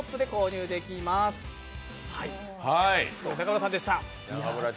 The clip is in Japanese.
中村さんでした。